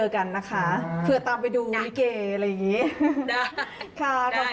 ขอบคุณน้องอ่อนค่ะ